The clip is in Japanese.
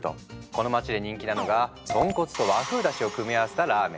この街で人気なのが豚骨と和風だしを組み合わせたラーメン。